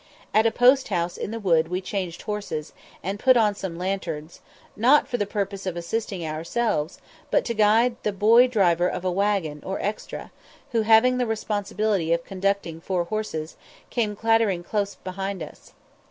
At a post house in the wood we changed horses, and put on some lanterns, not for the purpose of assisting ourselves, but to guide the boy driver of a waggon or "extra," who, having the responsibility of conducting four horses, came clattering close behind us.